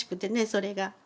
それが。